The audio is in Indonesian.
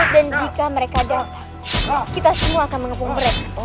dan jika mereka datang kita semua akan mengepung mereka